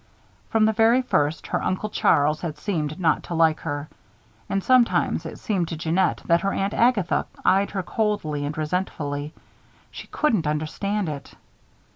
From the very first, her Uncle Charles had seemed not to like her. And sometimes it seemed to Jeannette that her Aunt Agatha eyed her coldly and resentfully. She couldn't understand it.